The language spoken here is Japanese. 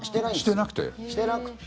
してなくて？